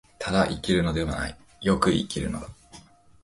ただ生きるのではない、善く生きるのだ。